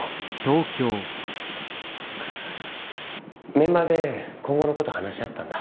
メンバーで今後のこと話し合ったんだ。